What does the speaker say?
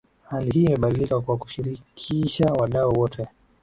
Hali hii imebadilika kwa kushirikisha wadau wote